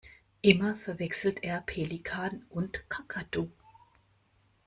Immer verwechselt er Pelikan und Kakadu.